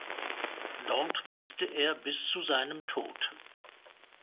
Dort wirkte er bis zu seinem Tod.